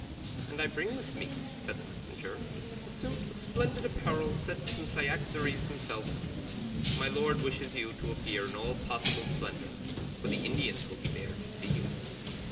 "And I bring with me," said the messenger, "a suit of splendid apparel sent from Cyaxares himself: my lord wishes you to appear in all possible splendour, for the Indians will be there to see you."